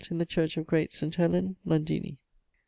in the church of Great St. Helen, Londini.